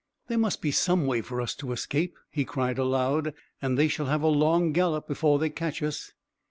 "There must be some way for us to escape," he cried aloud, "and they shall have a long gallop before they catch us."